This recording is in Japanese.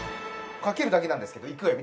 かけるだけなんですけどいくわよ